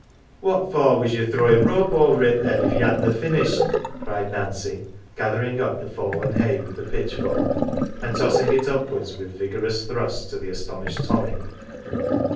" What for was ye throwin 1 rope over it, then, if ye hadna finished ?"" cried Nancy, gathering up the fallen hay with the pitchfork, and tossing it upwards with vigorous thrusts, to the astonished Tommy.